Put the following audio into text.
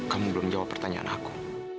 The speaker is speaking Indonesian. kamu belum jawab pertanyaan aku